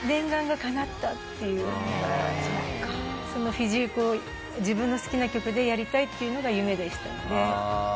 フィジークを自分の好きな曲でやりたいっていうのが夢でしたので。